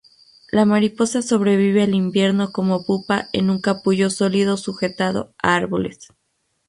La mariposa sobrevive al invierno como pupa en un capullo sólido sujetado a árboles.